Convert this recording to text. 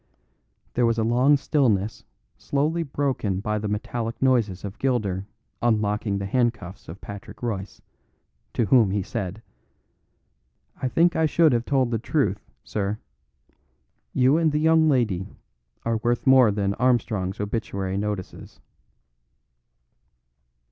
There was a long stillness slowly broken by the metallic noises of Gilder unlocking the handcuffs of Patrick Royce, to whom he said: "I think I should have told the truth, sir. You and the young lady are worth more than Armstrong's obituary notices."